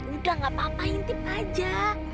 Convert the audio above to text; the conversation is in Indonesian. udah gak apa apa intip aja